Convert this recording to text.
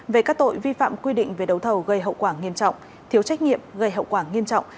về các tội vi phạm quy định về đấu thầu gây hậu quả nghiêm trọng thiếu trách nhiệm gây hậu quả nghiêm trọng